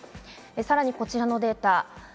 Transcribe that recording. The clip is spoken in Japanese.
さらにこちらのデータ。